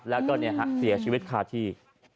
แล้วก็เสียชีวิตคาที่